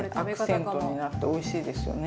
アクセントになっておいしいですよね。